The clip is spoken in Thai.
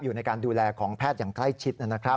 อยู่ในการดูแลของแพทย์อย่างใกล้ชิดนะครับ